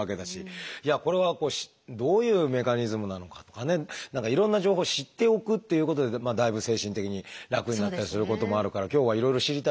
これはどういうメカニズムなのかとかねいろんな情報を知っておくということでだいぶ精神的に楽になったりすることもあるから今日はいろいろ知りたいですね。